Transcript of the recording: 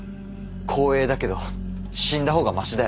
光栄だけど死んだほうがマシだよ。